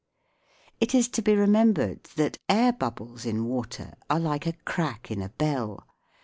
It is to be remembered that air bubbles in water are like a crack in a bell.